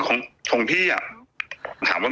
ของพี่ถามว่ากว่า